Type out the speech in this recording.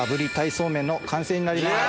そうめんの完成になります。